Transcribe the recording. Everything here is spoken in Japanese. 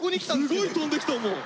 すごい飛んできたもん。